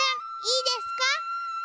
いいですか？